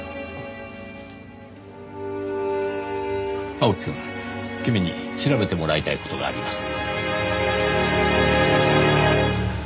青木くん君に調べてもらいたい事があります。